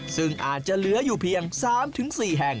ซึ่งอาจจะเหลืออยู่เพียง๓๔แห่ง